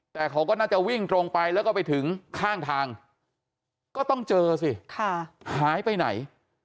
แต่เขาก็น่าจะวิ่งตรงไปแล้วก็ไปถึงข้างทางก็ต้องเจอสิหายไปไหน